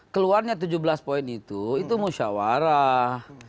keluarnya tujuh belas poin itu itu musyawarah